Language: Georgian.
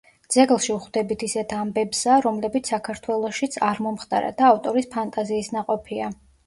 ძეგლში ვხვდებით ისეთ ამბებსა, რომლებიც საქართველოშიც არ მომხდარა და ავტორის ფანტაზიის ნაყოფია.